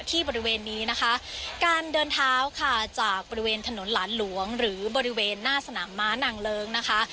บริเวณนี้นะคะการเดินเท้าค่ะจากบริเวณถนนหลานหลวงหรือบริเวณหน้าสนามม้านางเลิ้งนะคะ